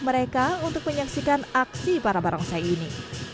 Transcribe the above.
mereka untuk menyaksikan aksi para barongsai ini